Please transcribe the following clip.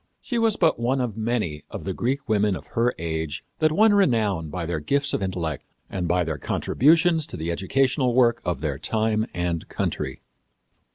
She was but one of many of the Greek women of her age that won renown by their gifts of intellect and by their contributions to the educational work of their time and country.